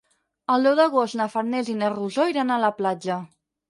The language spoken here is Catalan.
El deu d'agost na Farners i na Rosó iran a la platja.